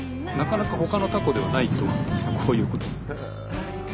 こういうこと。